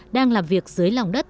đang làm việc dưới lòng đất